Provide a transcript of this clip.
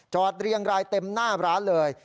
เรียงรายเต็มหน้าร้านเลย